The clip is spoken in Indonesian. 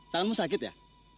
tanganmu sakit ya